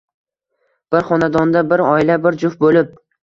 Bir xonadonda, bir oila, bir juft bo`lib